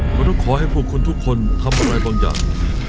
ผมต้องขอให้พวกคุณทุกคนทำอะไรบางอย่าง